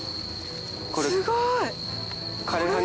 すごい！え？